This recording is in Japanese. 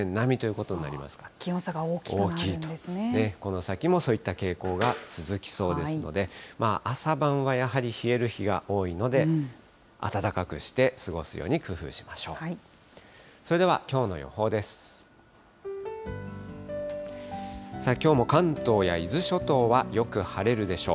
この先もそういった傾向が続きそうですので、朝晩はやはり冷える日が多いので、暖かくして過ごすように工夫しましょう。